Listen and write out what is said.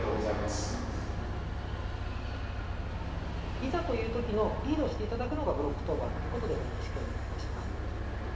いざというときのリードをしていただくのがブロック当番ということでご認識をお願いいたします。